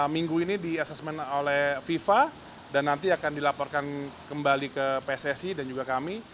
minggu ini di asesmen oleh fifa dan nanti akan dilaporkan kembali ke pssi dan juga kami